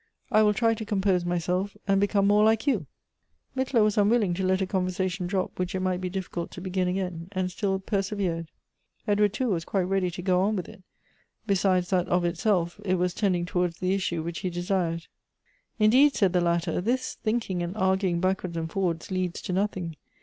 I will try to compose myself, and become more like you." Mittler was unwilling to let a conversation drop which it might be difficult to begin again, and still persevered Edward, too, was quite ready to go on with it; besides that of 'itself, it was tending towards the issue which he desired. "Indeed," said the latter, "this thinking and arguing backwards and forwards leads to nothing.